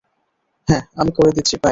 হ্যাঁঁ আমি করে দিচ্ছি, বাই।